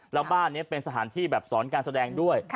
แล้วบ้านนี้เป็นสถานที่แบบสอนการแสดงด้วย